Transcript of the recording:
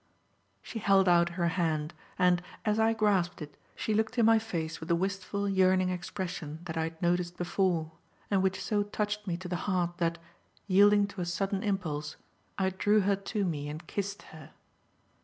'" She held out her hand, and, as I grasped it, she looked in my face with the wistful, yearning expression that I had noticed before, and which so touched me to the heart that, yielding to a sudden impulse, I drew her to me and kissed her.